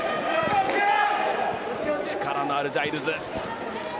力のあるジャイルズ。